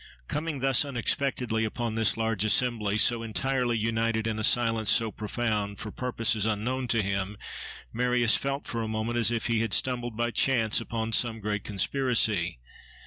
Coming thus unexpectedly upon this large assembly, so entirely united, in a silence so profound, for purposes unknown to him, Marius felt for a moment as if he had stumbled by chance upon some great conspiracy.